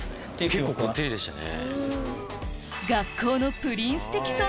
結構こってりでしたね。